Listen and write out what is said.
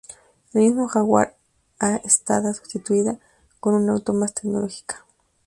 El mismo Jaguar ha estada sustituida con un auto más tecnológica.